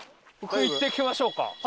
僕行ってきましょうか？